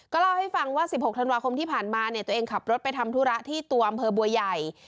เล่าให้ฟังว่า๑๖ธันวาคมที่ผ่านมาเนี่ยตัวเองขับรถไปทำธุระที่ตัวอำเภอบัวใหญ่